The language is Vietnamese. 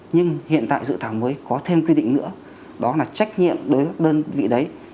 nhưng hiện tại dự thảo mới có thêm quy định nữa đó là trách nhiệm đối với đơn vị đấy